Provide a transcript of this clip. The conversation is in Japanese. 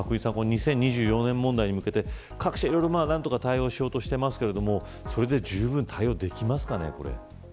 ２０２４年問題に向けて何とか対応しようとしていますけれどもそれでじゅうぶん対応できますかね。